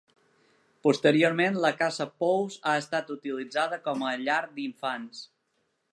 Posteriorment la Casa Pous ha estat utilitzada com a llar d'infants.